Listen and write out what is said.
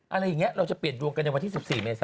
อะไรอย่างนี้เราจะเปลี่ยนดวงกันในวันที่๑๔เมษา